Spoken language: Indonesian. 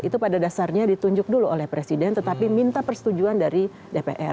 itu pada dasarnya ditunjuk dulu oleh presiden tetapi minta persetujuan dari dpr